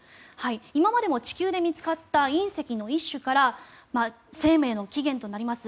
今までも地球で見つかった隕石の１種から生命の起源となります